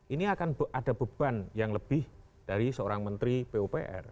ini akan ada beban yang lebih dari seorang menteri pupr